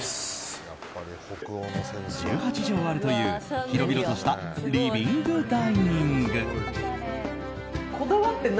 １８畳あるという広々としたリビングダイニング。